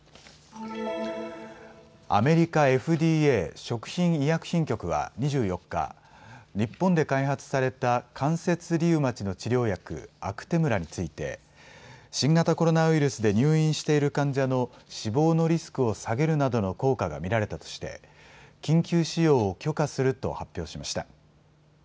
アメリカＦＤＡ・食品医薬品局は２４日、日本で開発された関節リウマチの治療薬、アクテムラについて新型コロナウイルスで入院している患者の死亡のリスクを下げるなどの効果が見られたとして緊急使用を許可すると発表しました。